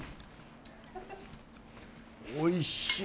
おいしい。